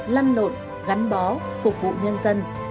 lăn lộn gắn bó phục vụ nhân dân